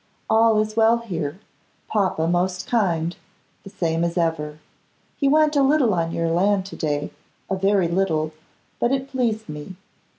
All is well here, papa most kind, the same as ever. He went a little on your land to day, a very little, but it pleased me.